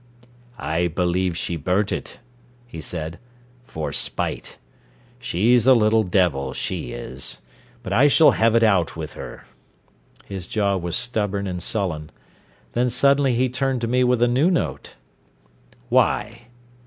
"I believe she burnt it," he said, "for spite. She's a little devil, she is. But I shall have it out with her." His jaw was stubborn and sullen. Then suddenly he turned to me with a new note. "Why?"